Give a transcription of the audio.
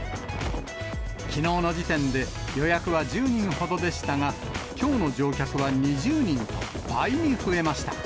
きのうの時点で予約は１０人ほどでしたが、きょうの乗客は２０人と倍に増えました。